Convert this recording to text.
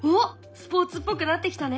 スポーツっぽくなってきたね。